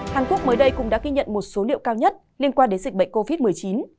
hàn quốc mới đây cũng đã ghi nhận một số liệu cao nhất liên quan đến dịch bệnh covid một mươi chín